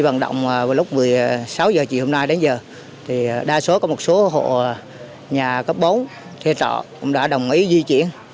còn lúc một mươi sáu h chiều hôm nay đến giờ thì đa số có một số hộ nhà cấp bốn theo trọ cũng đã đồng ý di chuyển